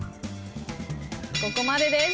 ここまでです。